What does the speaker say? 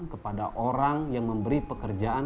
kepada orang yang memberi pekerjaan